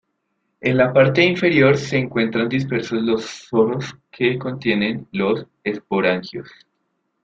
En la parte inferior se encuentran dispersos los soros que contienen los esporangios.